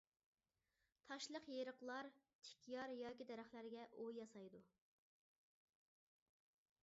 تاشلىق يېرىقلار، تىك يار ياكى دەرەخلەرگە ئۇۋا ياسايدۇ.